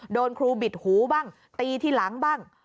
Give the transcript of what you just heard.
โดนครูบิดหูบ้างตีที่หลังบ้าง